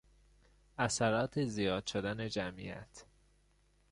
اثرات زیاد شدن جمعیت